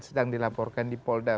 sedang dilaporkan di polda saat ini